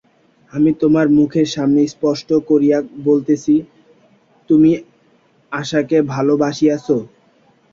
আমি তোমার মুখের সামনে স্পষ্ট করিয়া বলিতেছি, তুমি আশাকে ভালোবাসিয়াছ।